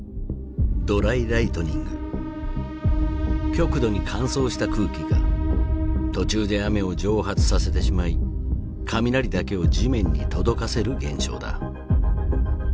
極度に乾燥した空気が途中で雨を蒸発させてしまい雷だけを地面に届かせる現象だ。